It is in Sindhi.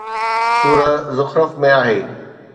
سوره زخرف ۾ آهي